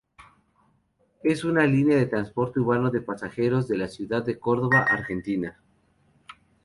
Es una línea de transporte urbano de pasajeros de la ciudad de Córdoba, Argentina.